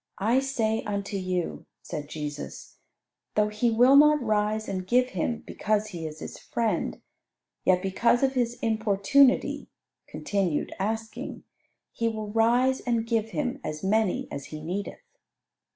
I say unto you," said Jesus, "though he will not rise and give him because he is his friend, yet because of his importunity (continued asking) he will rise and give him as many as he needeth."